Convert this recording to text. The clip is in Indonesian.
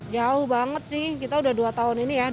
jauh banget sih kita udah dua tahun ini ya